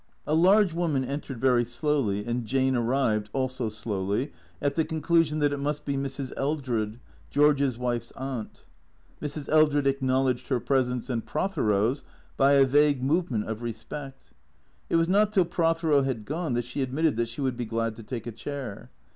A large woman entered very slowly, and Jane arrived, also slowly, at the conclusion that it must be Mrs. Eldred, George's wife's aunt. Mrs. Eldred acknowledged her presence and Prothero's by a vague movement of respect. It was not till Prothero had gone that she admitted that she would be glad to take a chair.